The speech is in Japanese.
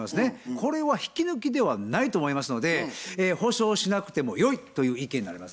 これは引き抜きではないと思いますので補償しなくてもよいという意見になりますね。